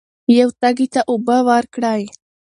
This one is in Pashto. یو تږي ته اوبه ورکړئ.